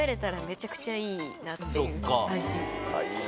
っていう味。